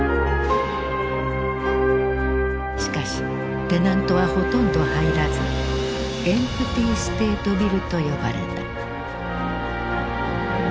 しかしテナントはほとんど入らずエンプティステートビルと呼ばれた。